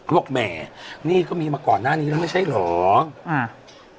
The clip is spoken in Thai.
บอกแหมนี่ก็มีมาก่อนหน้านี้แล้วไม่ใช่เหรออ่า